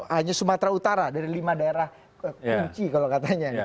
hanya sumatera utara dari lima daerah kunci kalau katanya